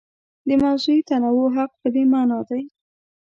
د موضوعي تنوع حق په دې مانا دی.